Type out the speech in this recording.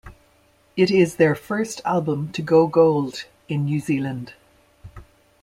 It is their first album to go gold in New Zealand.